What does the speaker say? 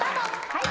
はい。